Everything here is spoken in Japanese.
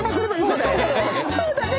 そうだね！